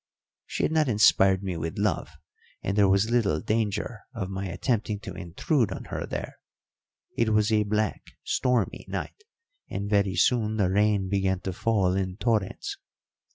She had not inspired me with love, and there was little danger of my attempting to intrude on her there. It was a black, stormy night, and very soon the rain began to fall in torrents.